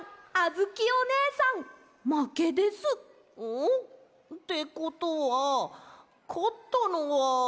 ん？ってことはかったのは。